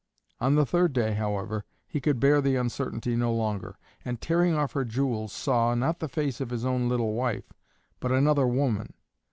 On the third day, however, he could bear the uncertainty no longer, and tearing off her jewels, saw, not the face of his own little wife, but another woman.